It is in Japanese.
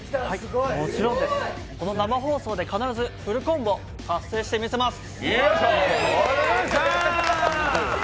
もちろんです、生放送で必ずフルコンボ達成してみせます。